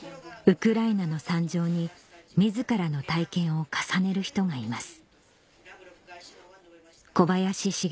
ウクライナの惨状に自らの体験を重ねる人がいます